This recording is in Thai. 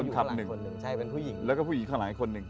คนขับหนึ่งแล้วก็ผู้หญิงข้างหลายคนหนึ่ง